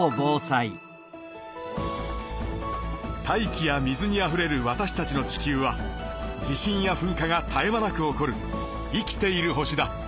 大気や水にあふれるわたしたちの地球は地震やふん火がたえ間なく起こる生きている星だ。